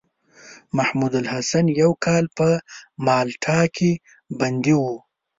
محمودالحسن يو کال په مالټا کې بندي وو.